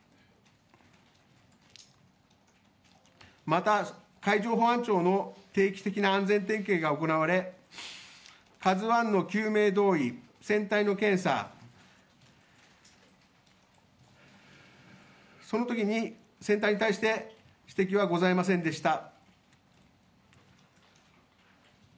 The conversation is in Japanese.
また、海上保安庁の定期的な安全点検が行われ、「ＫＡＺＵⅠ」の救命胴着船体の検査そのときに船体に対して指摘はございませんでした。